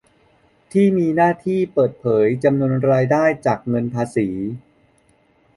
ที่มีหน้าที่เปิดเผยจำนวนรายได้จากเงินภาษี